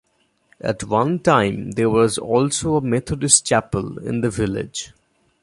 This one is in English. At one time there was also a Methodist Chapel in the village.